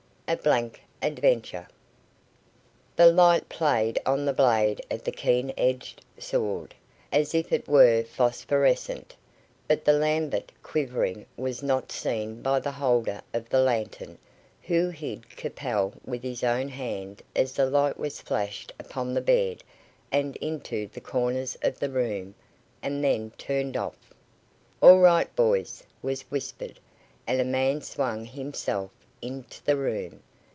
A BLANK ADVENTURE. The light played on the blade of the keen edged sword, as if it were phosphorescent, but the lambent quivering was not seen by the holder of the lantern, who hid Capel with his own hand as the light was flashed upon the bed and into the corners of the room, and then turned off. "All right, boys," was whispered, and a man swung himself into the room.